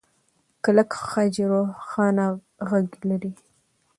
کلک خج روښانه غږ لري.